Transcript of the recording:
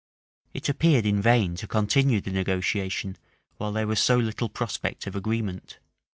It appeared in vain to continue the negotiation while there was so little prospect of agreement.